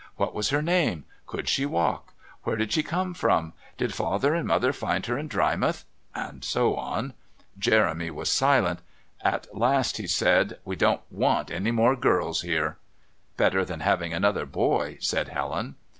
What was her name? Could she walk? Where did she come from? Did Father and Mother find her in Drymouth? And so on. Jeremy was silent. At last he said: "We don't want any more girls here." "Better than having another boy," said Helen.